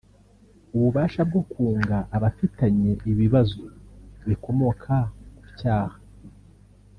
Ububasha bwo kunga abafitanye ibibazo bikomoka ku cyaha